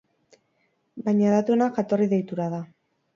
Baina hedatuena jatorri deitura da.